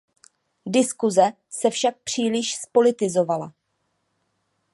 Diskuse se však příliš zpolitizovala.